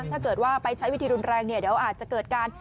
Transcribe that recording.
ถ้าเกิดว่าไปใช้วิธีรุนแรงเนี่ยเดี๋ยวอาจจะเกิดการ